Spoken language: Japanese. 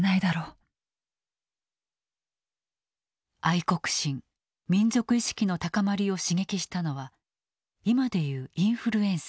愛国心民族意識の高まりを刺激したのは今で言うインフルエンサー。